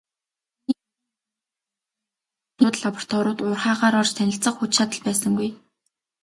Түүнийг ирнэ гэж найдаж байсан их сургуулиуд, лабораториуд, уурхайгаар орж танилцах хүч чадал байсангүй.